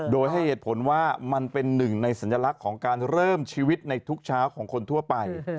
โดยให้เหตุผลว่ามันเป็นหนึ่งในสัญลักษณ์ของการเริ่มชีวิตในทุกเช้าของคนทั่วไป